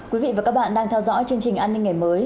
quý vị và các bạn đang theo dõi chương trình an ninh ngày mới